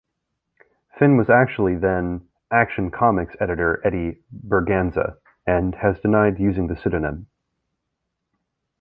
Finn was actually then-"Action Comics" editor Eddie Berganza, and has denied using the pseudonym.